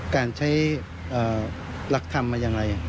การใช้หลักธรรมอะไร